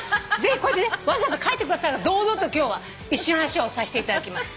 こうやってねわざわざ書いてくださったから堂々と今日は石の話をさせていただきます。